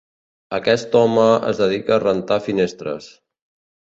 Aquest home es dedica a rentar finestres.